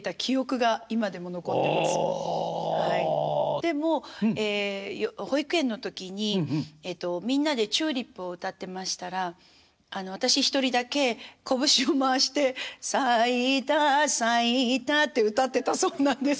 でもう保育園の時にみんなで「チューリップ」を歌ってましたら私一人だけこぶしを回して「さいたさいた」って歌ってたそうなんです。